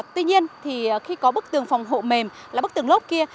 tuy nhiên thì khi có bức tường phòng hộ mềm là bức tường lốp kia